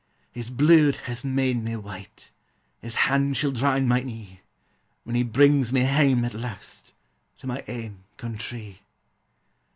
His bluid has made me white, his hand shall dry mine e'e, When he brings me hame at last, to my ain coun tree.